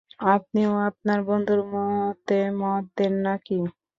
আপনিও আপনার বন্ধুর মতে মত দেন না কি?